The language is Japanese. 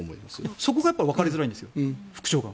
そこがわかりづらいんです副長官。